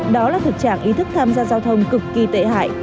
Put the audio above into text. đó là thực trạng ý thức tham gia giao thông cực kỳ tệ hại